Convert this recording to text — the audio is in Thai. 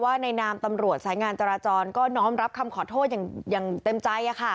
ในนามตำรวจสายงานจราจรก็น้อมรับคำขอโทษอย่างเต็มใจ